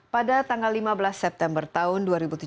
pada tanggal lima belas september tahun dua ribu tujuh belas